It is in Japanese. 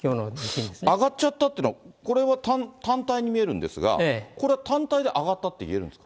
上がっちゃったっていうのは、これは、単体に見えるんですが、これは単体で上がったって言えるんですか？